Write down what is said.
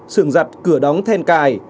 sưởng giặt cửa đóng then cài